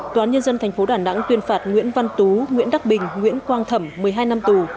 toán nhân dân thành phố đà nẵng tuyên phạt nguyễn văn tú nguyễn đắc bình nguyễn quang thẩm một mươi hai năm tù